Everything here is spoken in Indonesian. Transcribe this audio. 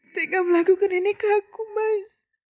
tega melakukan ini ke aku mas